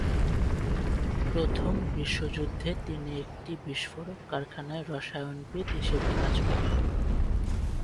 প্রথম বিশ্বযুদ্ধে তিনি একটি বিস্ফোরক কারখানায় রসায়নবিদ হিসেবে কাজ করেন।